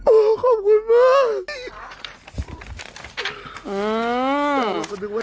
โอ๊ยขอบคุณมาก